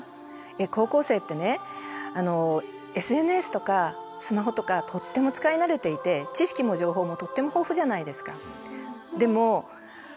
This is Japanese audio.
高校生ってねＳＮＳとかスマホとかとっても使い慣れていて知識も情報もとっても豊富じゃないですか。